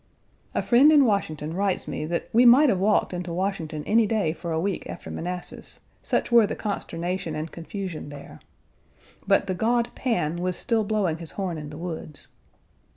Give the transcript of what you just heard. A friend in Washington writes me that we might have walked into Washington any day for a week after Manassas, such were the consternation and confusion there. But the god Pan was still blowing his horn in the woods.